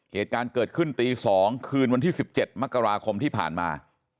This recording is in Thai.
เหตุการณ์เกิดขึ้นตี๒คืนวันที่๑๗มกราคมที่ผ่านมา